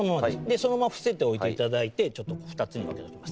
そのまま伏せて置いていただいてちょっと２つに分けておきます。